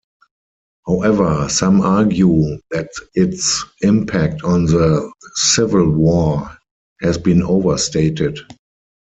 However, some argue that its impact on the Civil war has been overstated.